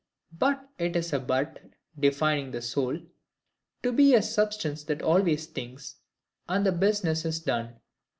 But it is but defining the soul to be "a substance that always thinks," and the business is done.